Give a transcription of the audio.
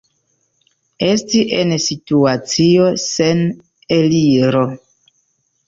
Esti en situacio sen eliro.